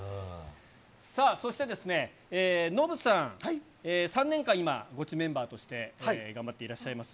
さあ、そしてですね、ノブさん、３年間、今、ゴチメンバーとして頑張っていらっしゃいます。